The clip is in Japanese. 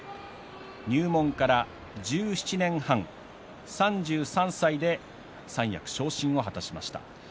入門から１７年半３３歳で三役昇進を果たしました。